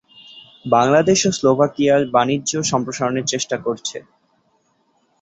বাংলাদেশ ও স্লোভাকিয়া বাণিজ্য সম্প্রসারণের চেষ্টা করেছে।